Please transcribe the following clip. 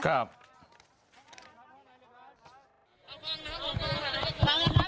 ผ่านมาอีกครั้งครับ